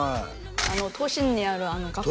都心にある学校